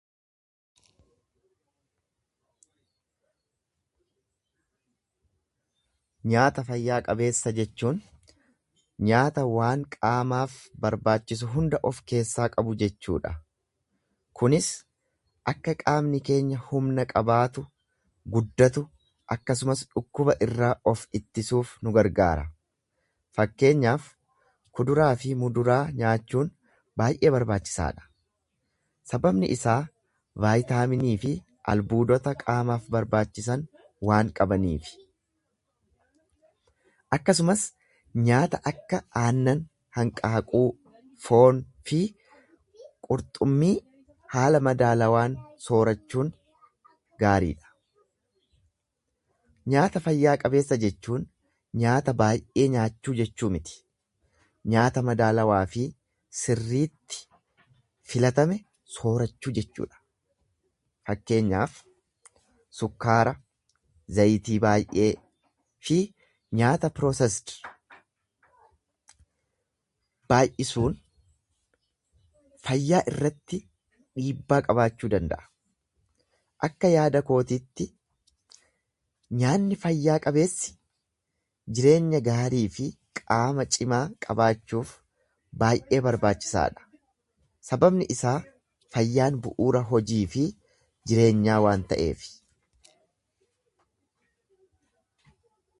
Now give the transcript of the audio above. Nyaata fayyaa qabeessa jechuun nyaata waan qaamaaf barbaachisu hunda of keessaa qabu jechuu dha. Kunis akka qaamni keenya humna qabaatu, guddatu, akkasumas dhukkuba irraa of ittisuuf nu gargaara. Fakkeenyaaf, kuduraa fi muduraa nyaachuun baay’ee barbaachisaa dha, sababni isaa vaayitaaminii fi albuudota qaamaaf barbaachisan waan qabaniifi. Akkasumas nyaata akka aannan, hanqaaquu, foon, fi qurxummii haala madaalawaan soorachuun gaarii dha. Nyaata fayyaa qabeessa jechuun nyaata baay’ee nyaachuu jechuu miti; nyaata madaalawaa fi sirriitti filatame soorachuu jechuu dha. Fakkeenyaaf, sukkaara, zayita baay’ee, fi nyaata piroosesdi baay’isuun fayyaa irratti dhiibbaa qabaachuu danda’a. Akka yaada kootiitti nyaanni fayyaa qabeessi jireenya gaarii fi qaama cimaa qabaachuuf baay’ee murteessaa dha. Sababni isaa fayyaan bu’uura hojii fi jireenyaa waan ta’eef.